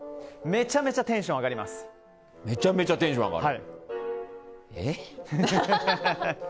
めちゃめちゃテンションが上がる。